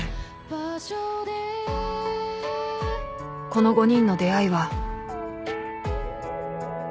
［この５人の出会いは］